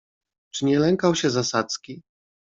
"Czy nie lękał się zasadzki?"